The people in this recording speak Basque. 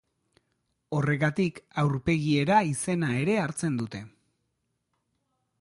Horregatik aurpegiera izena ere hartzen dute.